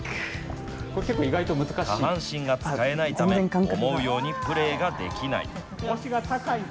下半身が使えないため思うようにプレーができない。